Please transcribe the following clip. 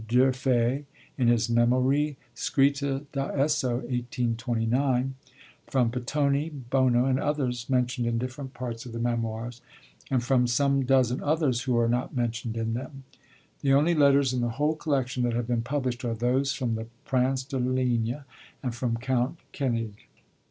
d'Urfé, in his Memorie scritte da esso, 1829; from Pittoni, Bono, and others mentioned in different parts of the Memoirs, and from some dozen others who are not mentioned in them. The only letters in the whole collection that have been published are those from the Prince de Ligne and from Count Koenig.